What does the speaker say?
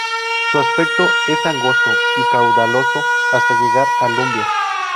Su aspecto, es angosto y caudaloso, hasta llegar a Lumbier.